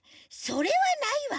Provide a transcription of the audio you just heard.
それはないわ。